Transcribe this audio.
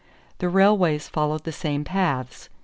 The railways followed the same paths.